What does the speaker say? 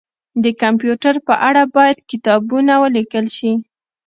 د کمپيوټر په اړه باید کتابونه ولیکل شي